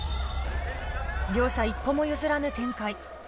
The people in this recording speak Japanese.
両者一歩も譲らぬ展開。